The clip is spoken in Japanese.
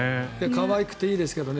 可愛くていいですけどね。